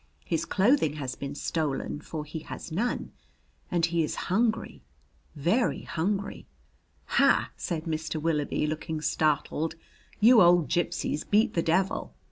His clothing has been stolen, for he has none, and he is hungry, very hungry." "Ha!" said Mr. Willoughby, looking startled. "You old gypsies beat the devil!